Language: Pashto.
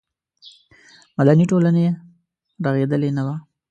مدني ټولنه رغېدلې نه وه.